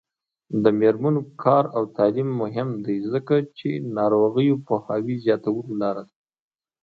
د میرمنو کار او تعلیم مهم دی ځکه چې ناروغیو پوهاوي زیاتولو لاره ده.